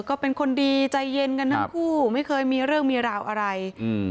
ก็เป็นคนดีใจเย็นกันทั้งคู่ไม่เคยมีเรื่องมีราวอะไรอืม